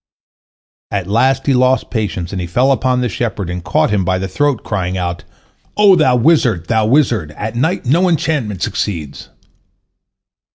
At last he lost patience, and he fell upon the shepherd and caught him by the throat, crying out, "O thou wizard, thou wizard, at night no enchantment succeeds!"